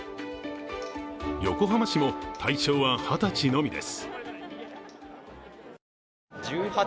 横浜市も対象は二十歳のみです。